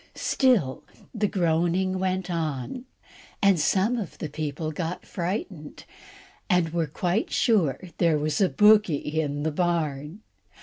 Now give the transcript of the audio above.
Still the groaning went on, and some of the people got frightened, and were quite sure there was a bogie in the barn.